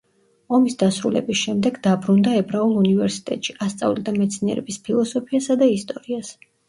ომის დასრულების შემდეგ დაბრუნდა ებრაულ უნივერსიტეტში, ასწავლიდა მეცნიერების ფილოსოფიასა და ისტორიას.